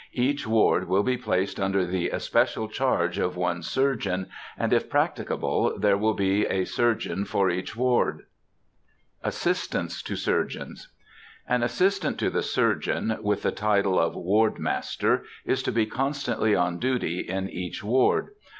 Each ward will be placed under the especial charge of one surgeon, and, if practicable, there will be a surgeon for each ward. ASSISTANTS TO SURGEONS. An assistant to the surgeon (with the title of Ward master) is to be constantly on duty in each ward.